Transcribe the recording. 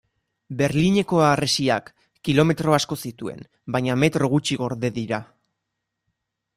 Berlineko harresiak kilometro asko zituen baina metro gutxi gorde dira.